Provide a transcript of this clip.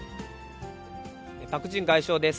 パク・ジン外相です。